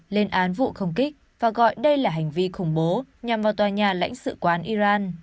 lên án vụ không kích và gọi đây là hành vi khủng bố nhằm vào tòa nhà lãnh sự quán iran